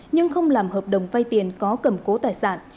nhưng không làm hợp đồng vay tiền có cầm cố tài sản